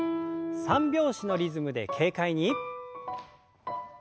三拍子のリズムで軽快に。